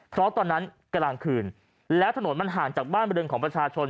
เพราะตอนนั้นกลางคืนแล้วถนนมันห่างจากบ้านบริเวณของประชาชน